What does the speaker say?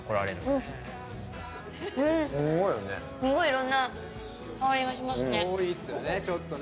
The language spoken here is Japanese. すごいいろんな香りがしますね。